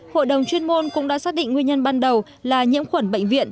hội đồng chuyên môn cũng đã xác định nguyên nhân ban đầu là nhiễm khuẩn bệnh viện